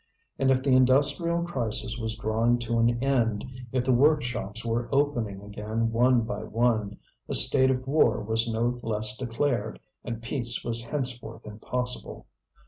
And if the industrial crisis was drawing to an end, if the workshops were opening again one by one, a state of war was no less declared, and peace was henceforth impossible.